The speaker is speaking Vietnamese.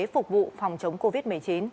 phục vụ phòng chống covid một mươi chín